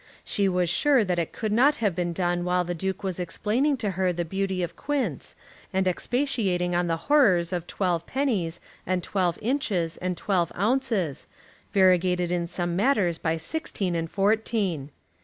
She was sure that it could not have been done while the Duke was explaining to her the beauty of quints, and expatiating on the horrors of twelve pennies, and twelve inches, and twelve ounces, variegated in some matters by sixteen and fourteen!